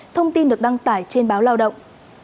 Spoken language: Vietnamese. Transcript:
thông tin được đăng tải trên báo lao động